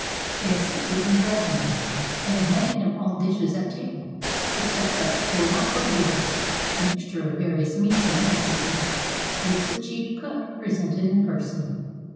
They assisted in dressing him; and they handed him all dishes at table, except the olla podrida (a mixture of various meats and delicacies) which the chief cook presented in person.